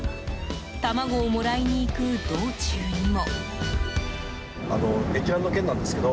卵をもらいに行く道中にも。